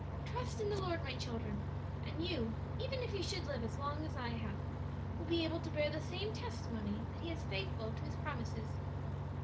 Trust in the Lord, my children, and you, even if you should live as long as I have, will be able to bear the same testimony that He is faithful to His promises.